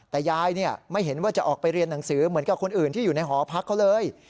แต่ยายไม่เห็นว่าจะออกไปเรียนหนังสือเหมือนกับคนอื่นที่อยู่ในหอพักเขาเลย